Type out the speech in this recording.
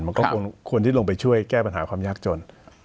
มันก็ควรที่ลงไปช่วยแก้ปัญหาความยากจน